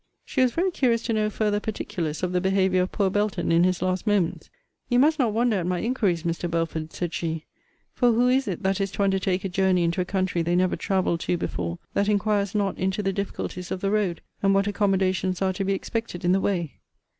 She was very curious to know farther particulars of the behaviour of poor Belton in his last moments. You must not wonder at my inquiries, Mr. Belford, said she; For who is it, that is to undertake a journey into a country they never travelled to before, that inquires not into the difficulties of the road, and what accommodations are to be expected in the way?